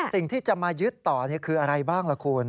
สิ่งที่จะมายึดต่อคืออะไรบ้างล่ะคุณ